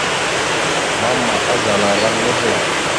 Mama azala ram nehe.